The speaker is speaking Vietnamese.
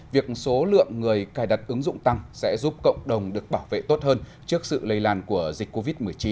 việc số lượng người cài đặt ứng dụng tăng sẽ giúp cộng đồng được bảo vệ tốt hơn trước sự lây lan của dịch covid một mươi chín